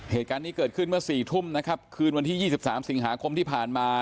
เหตุการณ์นี้เกิดขึ้นเมื่อ๔ทุ่มนะครับคืนวันที่๒๓สิงหาคมที่ผ่านมา